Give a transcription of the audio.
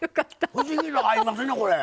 不思議と合いますねこれ。